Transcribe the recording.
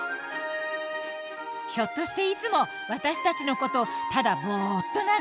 ひょっとしていつも私たちのことをただボッと眺めてません？